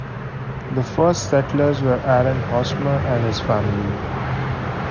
The first settlers were Aaron Hosmer and his family.